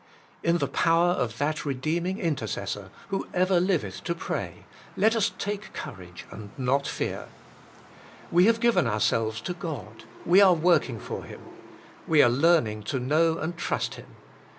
In the power of that Eedeeming Intercessor, who ever liveth to pray, let us take courage and not fear. We have given ourselves to God, we 170 The Inner Chamber are working for Him. "We are learning to know and trust Him.